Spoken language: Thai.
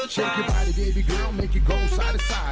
ชื่นนะ